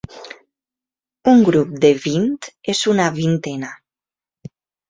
Un grup de vint és una vintena.